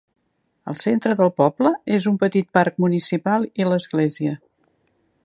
El centre del poble és un petit parc municipal i l'església.